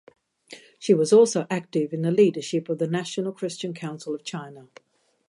She was also active in the leadership of the National Christian Council of China.